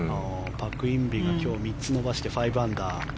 パク・インビが今日３つ伸ばして５アンダー。